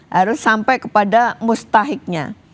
harus sampai kepada mustahiknya